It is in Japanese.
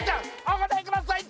お答えください